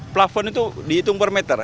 plafon itu dihitung per meter